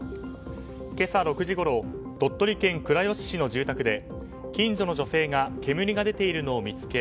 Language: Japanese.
今朝６時ごろ鳥取県倉吉市の住宅で近所の女性が煙が出ているのを見つけ